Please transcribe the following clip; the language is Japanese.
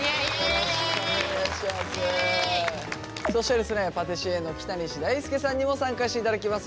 そしてですねパティシエの北西大輔さんにも参加していただきます。